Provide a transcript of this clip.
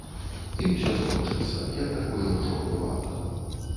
І ўсё скончыцца, як такое ўжо бывала.